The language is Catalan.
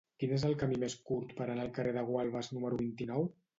Quin és el camí més curt per anar al carrer de Gualbes número vint-i-nou?